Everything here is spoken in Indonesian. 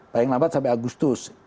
paling lambat sampai agustus